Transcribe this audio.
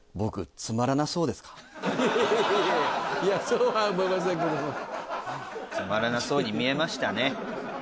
つまらなそうに見えましたね。